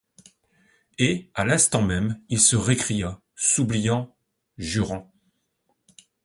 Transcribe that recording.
Et, à l'instant même, il se récria, s'oubliant, jurant.